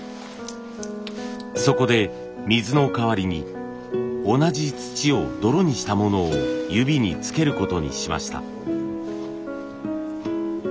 そこで水の代わりに同じ土を泥にしたものを指につけることにしました。